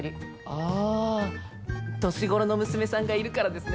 ああ年頃の娘さんがいるからですね。